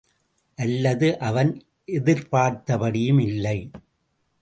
அல்லது அவன் எதிர்பார்த்தபடியும் இல்லை.